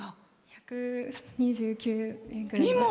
１２９人ぐらい。